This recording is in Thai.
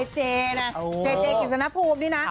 เจนะเจเจกิจสนภูมินี่นะ